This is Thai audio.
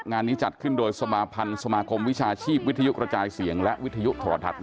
งานนี้จัดขึ้นโดยสมาพันธ์สมาคมวิชาชีพวิทยุกระจายเสียงและวิทยุโทรทัศน์